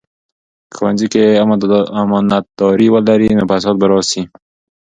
که ښوونځي کې امانتداري ولري، نو فساد به راسي.